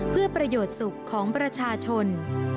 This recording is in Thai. เพื่อประโยชน์ศักดิ์ของประชาชน